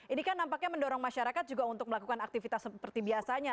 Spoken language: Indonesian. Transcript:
ini kan nampaknya mendorong masyarakat juga untuk melakukan aktivitas seperti biasanya